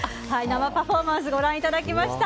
生パフォーマンスご覧いただきました。